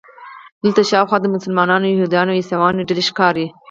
دلته شاوخوا د مسلمانانو، یهودانو او عیسویانو ډلې ښکاري.